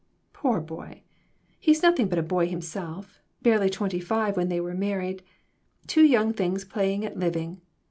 Poor boy ; he's nothing but a boy himself. Barely twenty five when they were married. Two young things playing at living.